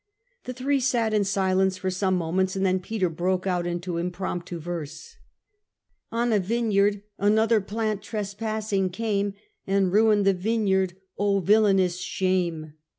The three sat in silence for some moments, and then Peter broke out into impromptu verse :" On a Vineyard another plant trespassing came, And ruined the Vineyard, O villainous shame